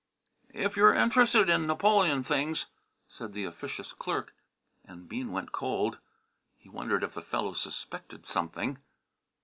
"If you're interested in Napoleon things " said the officious clerk, and Bean went cold. He wondered if the fellow suspected something.